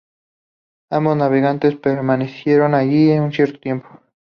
Ambos navegantes permanecieron allí un cierto tiempo.